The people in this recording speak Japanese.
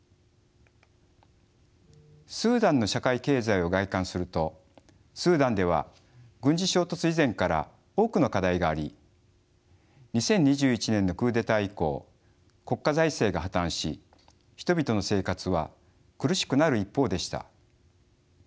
スーダンの社会経済を概観するとスーダンでは軍事衝突以前から多くの課題があり２０２１年のクーデター以降国家財政が破綻し人々の生活は苦しくなる一方でした。